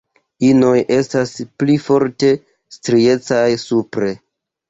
Inoj estas pli forte striecaj supre.